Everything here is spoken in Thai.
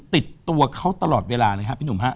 ติดตัวเขาตลอดเวลาเลยครับพี่หนุ่มฮะ